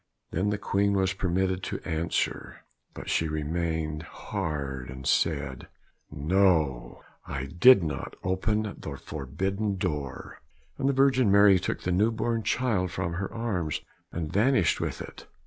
Then the queen was permitted to answer, but she remained hard, and said, "No, I did not open the forbidden door;" and the Virgin Mary took the new born child from her arms, and vanished with it.